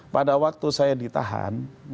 pada waktu saya ditahan